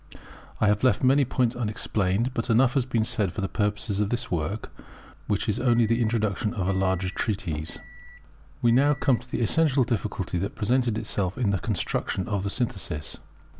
I have left many points unexplained; but enough has been said for the purpose of this work, which is only the introduction to a larger treatise. We now come to the essential difficulty that presented itself in the construction of the Synthesis.